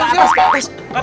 gatau kalau ada buta